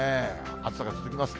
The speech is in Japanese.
暑さが続きます。